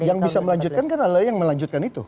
yang bisa melanjutkan kan adalah yang melanjutkan itu